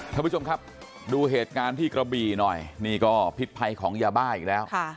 ท่านผู้ชมครับดูเหตุการณ์ที่กระบี่หน่อยนี่ก็พิษภัยของยาบ้าอีกแล้ว